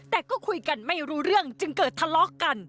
แต่ก็คุยกันไม่รู้เรื่องจึงเกิดทะเลาะกัน